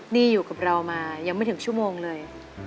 นี่อยู่กับเรามายังไม่ถึงชั่วโมงเลย